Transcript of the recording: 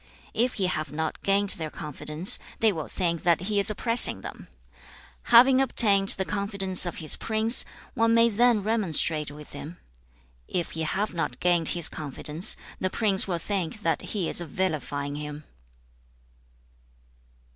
If he have not gained their confidence, they will think that he is oppressing them. Having obtained the confidence of his prince, one may then remonstrate with him. If he have not gained his confidence, the prince will think that he is vilifying him.'